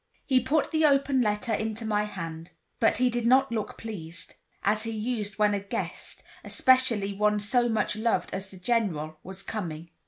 He put the open letter into my hand; but he did not look pleased, as he used when a guest, especially one so much loved as the General, was coming.